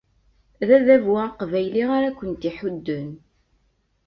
D adabu aqbayli ara kent-iḥudden.